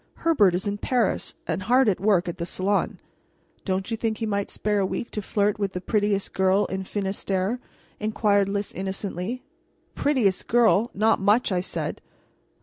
"Herbert is in Paris, and hard at work for the Salon." "Don't you think he might spare a week to flirt with the prettiest girl in Finistere?" inquired Lys innocently. "Prettiest girl! Not much!" I said.